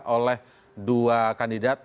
oleh dua kandidat